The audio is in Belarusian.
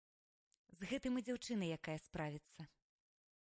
З гэтым і дзяўчына якая справіцца.